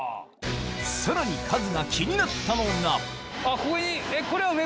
さらにカズが気になったのがデケェ！